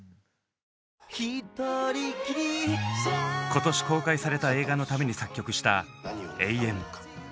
今年公開された映画のために作曲した「永遠」。